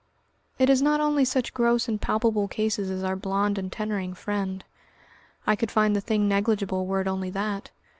It is not only such gross and palpable cases as our blond and tenoring friend. I could find the thing negligible were it only that.